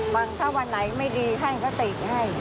บางท่าวันไหนไม่ดีให้เขาติดให้